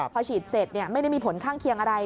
พอฉีดเสร็จไม่ได้มีผลข้างเคียงอะไร